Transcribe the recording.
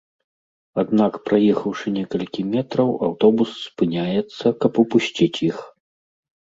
Аднак праехаўшы некалькі метраў аўтобус спыняецца, каб упусціць іх.